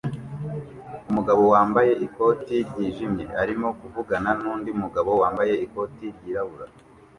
Umugabo wambaye ikoti ryijimye arimo kuvugana nundi mugabo wambaye ikoti ryirabura